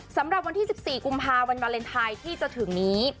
สำหรับวันที่๑๔กุมภาวันวาเลนไทยที่จะถึงนี้